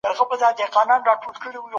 هغوی د غوزانو په خوړلو بوخت دي.